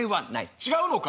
違うのか？